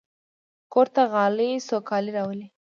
کور ته غالۍ سوکالي راولي.